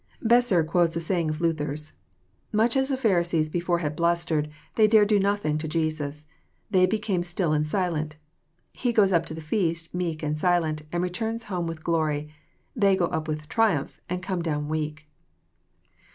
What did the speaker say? Besser quotes a saying of Luther's :" Much as the Pharisees before had blustered, they dared do nothing to Jesus : they be came still and silent. He goes up to the feast meek and silent, and returns home with glory. — They go up with triumph, and come down weak."